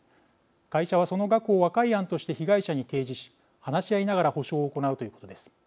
会社は、その額を和解案として被害者に提示し話し合いながら補償を行うということです。